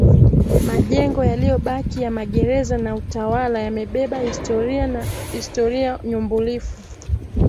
Majengo yaliyobaki ya magereza na utawala yamebeba historia nyumbulifu